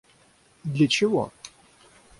Для чего?